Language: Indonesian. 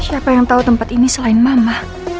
siapa yang tahu tempat ini selain mama